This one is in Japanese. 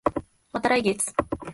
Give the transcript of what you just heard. また来月